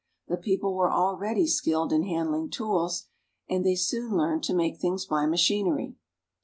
The people were already skilled in handling tools, and they soon learned to make things by machinery.